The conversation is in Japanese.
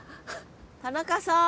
田中さん。